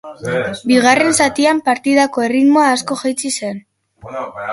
Bigarren zatian partidako erritmoa asko jeitsi zen.